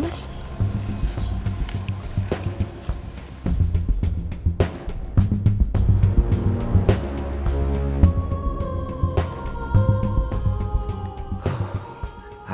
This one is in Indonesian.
hampir aja ketahuan